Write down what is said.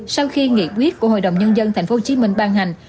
sau khi nghị quyết của hội đồng nhân dân tp hcm ban hành